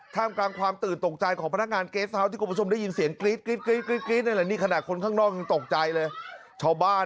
ท่ามกลางความตื่นตกใจของพนักงานเกรดสาหาส